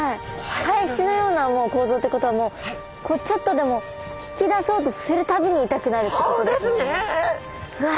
返しのような構造ということはちょっとでも引き出そうとする度に痛くなるっていうことですもんね。